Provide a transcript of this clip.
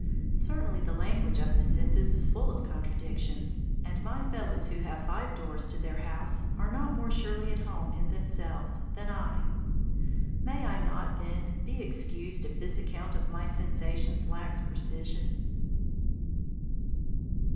Certainly the language of the senses is full of contradictions, and my fellows who have five doors to their house are not more surely at home in themselves than I. May I not, then, be excused if this account of my sensations lacks precision?